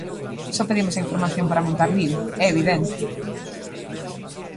Só pedimos a información para montar lío, ¡é evidente!